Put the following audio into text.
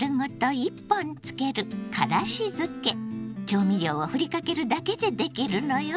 調味料をふりかけるだけでできるのよ。